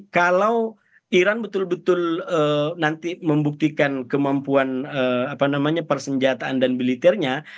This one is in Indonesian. kalau iran betul betul nanti membuktikan kemampuan persenjataan dan militernya